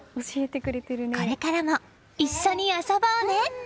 これからも一緒に遊ぼうね！